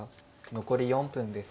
残り４分です。